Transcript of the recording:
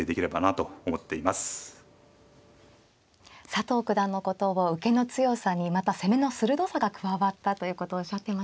佐藤九段のことを受けの強さにまた攻めの鋭さが加わったということをおっしゃってましたね。